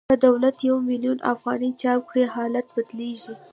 که دولت یو میلیون افغانۍ چاپ کړي حالت بدلېږي